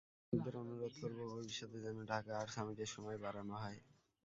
আয়োজকদের অনুরোধ করব, ভবিষ্যতে যেন ঢাকা আর্ট সামিটের সময় বাড়ানো হয়।